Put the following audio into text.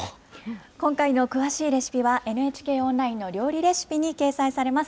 今回の詳しいレシピは、ＮＨＫオンラインの料理レシピに掲載されます。